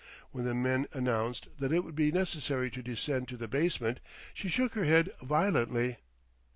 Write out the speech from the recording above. When the men announced that it would be necessary to descend to the basement, she shook her head violently.